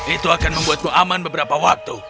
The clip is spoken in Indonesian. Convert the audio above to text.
itu akan membuatmu aman beberapa waktu